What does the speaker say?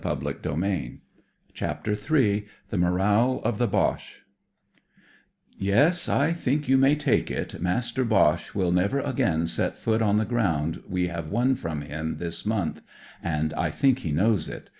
'* H CHAPTER III THE MORAL OF THE BOCHE "Yes, I think you may take it Master Boche will never again set foot on the ground we have won from him thig month, and I think he knows it.